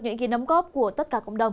những kỳ nắm góp của tất cả cộng đồng